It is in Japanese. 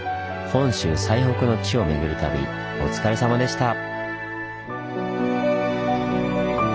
本州最北の地を巡る旅お疲れさまでした！